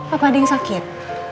apa ada yang sakit